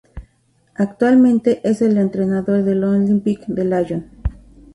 Actualmente es el entrenador del Olympique de Lyon.